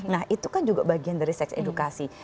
nah itu kan juga bagian dari seks edukasi